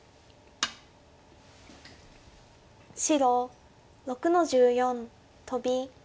白６の十四トビ。